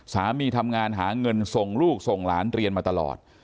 สามีทำงานหาเงินส่งลูกส่งหลานเรียนมาตลอด